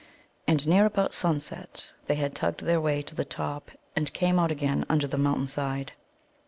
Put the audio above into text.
And near about sunset they had tugged their way to the top, and came out again upon the mountain side.